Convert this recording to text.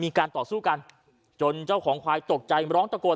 มีการต่อสู้กันจนเจ้าของควายตกใจร้องตะโกน